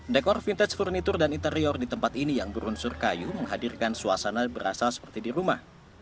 dekor vintage furnitur dan interior di tempat ini yang berunsur kayu menghadirkan suasana berasal seperti di rumah